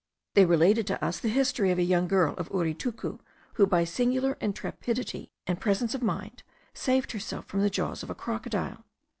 They related to us the history of a young girl of Uritucu, who by singular intrepidity and presence of mind, saved herself from the jaws of a crocodile.